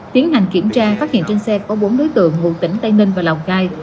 tiến hành kiểm tra phát hiện trên xe có bốn đối tượng ngụ tỉnh tây ninh và lào cai